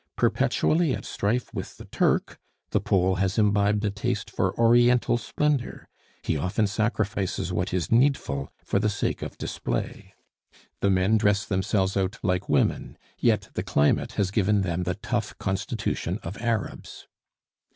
Perpetually at strife with the Turk, the Pole has imbibed a taste for Oriental splendor; he often sacrifices what is needful for the sake of display. The men dress themselves out like women, yet the climate has given them the tough constitution of Arabs.